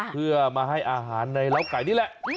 เพื่อมาให้อาหารในร้าวไก่นี่แหละ